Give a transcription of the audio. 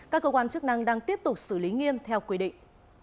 các cơ quan chức năng đang tiếp tục xử lý nghiêm theo quy định